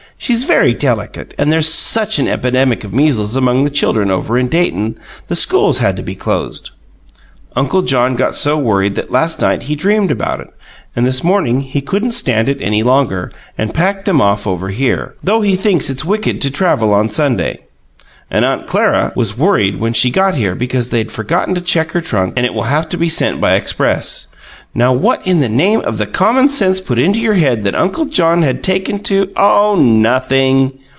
She's very delicate, and there's such an epidemic of measles among the children over in Dayton the schools had to be closed. Uncle John got so worried that last night he dreamed about it; and this morning he couldn't stand it any longer and packed them off over here, though he thinks its wicked to travel on Sunday. And Aunt Clara was worried when she got here because they'd forgotten to check her trunk and it will have to be sent by express. Now what in the name of the common sense put it into your head that Uncle John had taken to " "Oh, nothing."